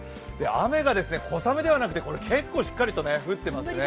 雨が小雨ではなくて結構しっかりと降ってますね。